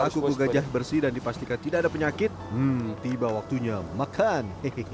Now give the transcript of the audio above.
suku gajah bersih dan dipastikan tidak ada penyakit hmm tiba waktunya makan